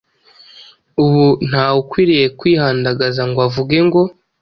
Ubu ntawukwiriye kwihandagaza ngo avuge ngo: